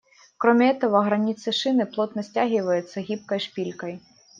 Кроме этого, границы шины плотно стягиваются гибкой шпилькой.